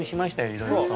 いろいろと。